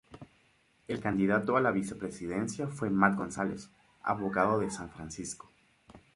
El candidato a la vicepresidencia fue Matt González, abogado de San Francisco.